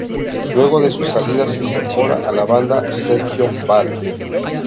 Luego de su salida, se incorpora a la banda Sergio Vall.